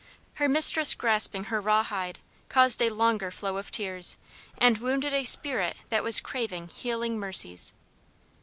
Her mistress grasping her raw hide, caused a longer flow of tears, and wounded a spirit that was craving healing mercies.